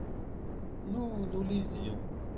nous , nous lisions.